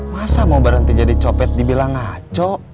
masa mau berhenti jadi copet dibilang ngaco